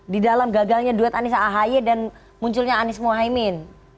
di dalam gagalnya duet anissa ahy dan munculnya anis muhammad